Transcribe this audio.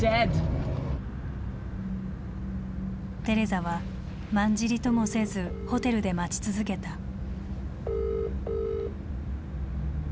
テレザはまんじりともせずホテルで待ち続けた。